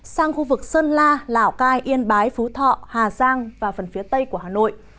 sang khu vực sơn la lào cai yên bái phú thọ hà giang và phần phía tây của hà nội